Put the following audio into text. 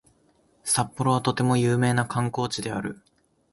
札幌はとても有名な観光地である